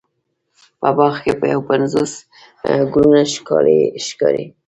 په باغ کې یو پنځوس ګلونه ښکلې ښکاري.